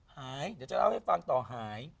หายจะเล่าให้ฟังต่อหาย